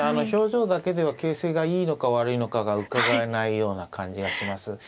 表情だけでは形勢がいいのか悪いのかがうかがえないような感じがします。